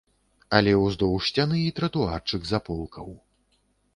Але ўздоўж сцяны і тратуарчык з аполкаў.